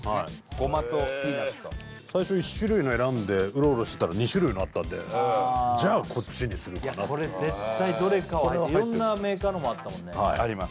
ごまとピーナッツと最初１種類の選んでウロウロしてたら２種類のあったんでじゃあこっちにするかなってこれ絶対どれかは入ってる色んなメーカーのもあったもんねあります